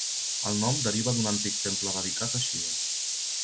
El nom deriva d'un antic temple dedicat a Xiva.